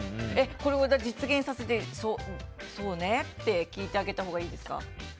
これを実現させてそうねって聞いてあげたほうがいいですか？